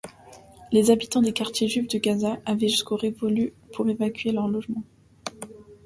Les habitants des quartiers juifs de Gaza avaient jusqu'au révolu pour évacuer leurs logements.